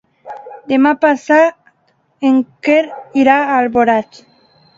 Demà passat en Quer irà a Alboraig.